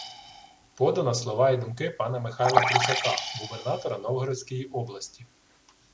Подано слова і думки пана Михайла Прусака, губернатора Новгородської області